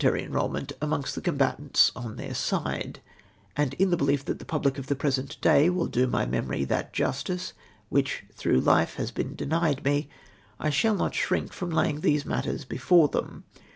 taiy enrolment amongst the combatants on their side ; and in tlie behef that the piibhc of tlie present day will do my memoiy that justice Avhich throngh life has been denied me, I shall not shrink from laying these matters before them.